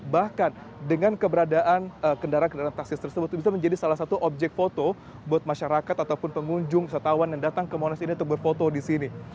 bahkan dengan keberadaan kendaraan kendaraan taksis tersebut bisa menjadi salah satu objek foto buat masyarakat ataupun pengunjung wisatawan yang datang ke monas ini untuk berfoto di sini